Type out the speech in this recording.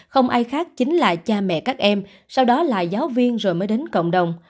không ai khác chính là cha mẹ các em sau đó là giáo viên rồi mới đến cộng đồng